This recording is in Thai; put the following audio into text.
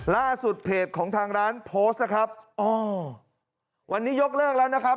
ล่าสุดเพจของทางร้านโพสต์นะครับอ๋อวันนี้ยกเลิกแล้วนะครับ